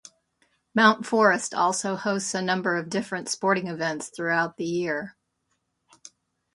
Mount Forest also hosts a number of different sporting events throughout the year.